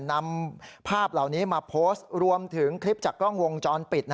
นำภาพเหล่านี้มาโพสต์รวมถึงคลิปจากกล้องวงจรปิด